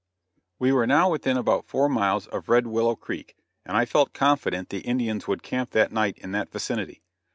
We were now within about four miles of Red Willow Creek and I felt confident the Indians would camp that night in that vicinity.